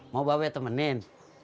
mau bawa temenin